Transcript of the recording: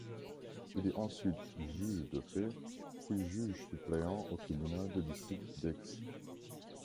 Il est ensuite juge de paix, puis juge suppléant au tribunal de district d'Aix.